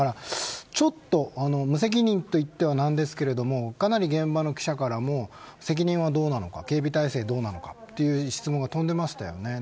ちょっと無責任と言っては何ですけれどかなり現場の記者からも責任はどうなのか警備態勢はどうなのかという質問が飛んでいましたよね。